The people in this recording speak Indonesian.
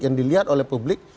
yang dilihat oleh publik